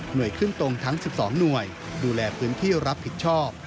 โดยขึ้นตรงทั้ง๑๒หน่วยดูแลพื้นที่รับผิดชอบ